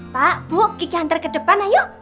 pak buk kiki hantar kedepan ayuk